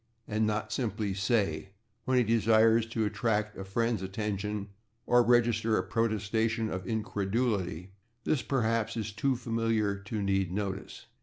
and not simply "say!" when he desires to attract a friend's attention or register a protestation of incredulity this perhaps is too familiar to need notice.